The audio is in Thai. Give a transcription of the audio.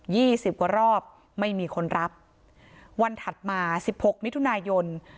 สิบกว่ารอบไม่มีคนรับวันถัดมาสิบหกมิถุนายน